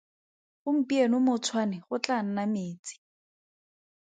Gompieno mo Tshwane go tlaa nna metsi.